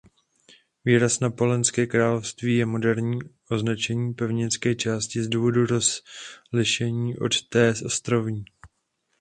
Výraz „Neapolské království“ je moderní označení pevninské části z důvodu rozlišení od té ostrovní.